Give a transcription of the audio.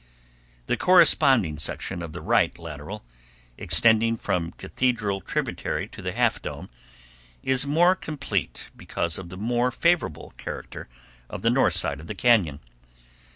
The corresponding section of the right lateral, extending from Cathedral tributary to the Half Dome, is more complete because of the more favorable character of the north side of the cañon.